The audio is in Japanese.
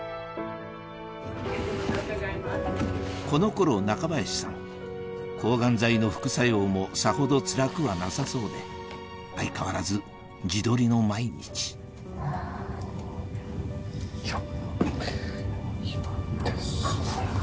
この頃中林さん抗がん剤の副作用もさほどつらくはなさそうで相変わらず自撮りの毎日いや。